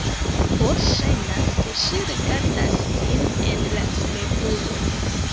Ho, ŝajnas, ke ŝi rigardas sin en la spegulo